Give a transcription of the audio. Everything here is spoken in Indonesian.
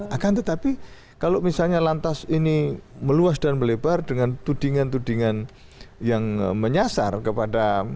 akan tetapi kalau misalnya lantas ini meluas dan melebar dengan tudingan tudingan yang menyasar kepada